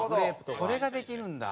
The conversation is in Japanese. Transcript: それができるんだ。